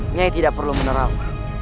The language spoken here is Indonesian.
nyai tidak perlu menerang